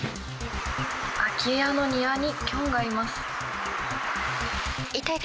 空き家の庭にキョンがいます。